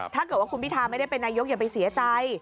ถ้าเกิดว่าคุณพิทาไม่ได้เป็นนายกอย่าไปเสียใจ